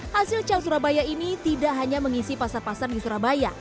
hasil call surabaya ini tidak hanya mengisi pasar pasar di surabaya